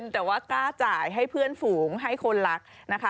แต่ว่ากล้าจ่ายให้เพื่อนฝูงให้คนรักนะคะ